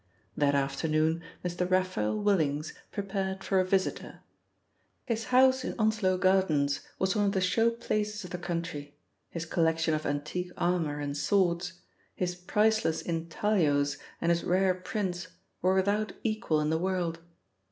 That afternoon Mr. Raphael Willings prepared for a visitor. His house in Onslow Gardens was one of the show places of the country. His collection of antique armour and swords, his priceless intaglios and his rare prints were without equal in the world.